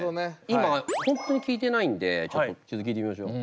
今本当に聴いてないんでちょっと聴いてみましょう。